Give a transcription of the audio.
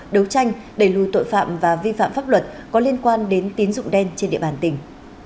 đấu tranh đẩy lùi tội phạm và vi phạm pháp luật có liên quan đến tín dụng đen trên địa bàn tỉnh